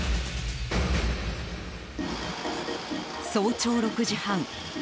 早朝６時半。